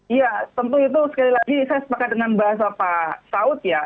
iya tentu itu sekali lagi saya sepakat dengan bahasa pak saud ya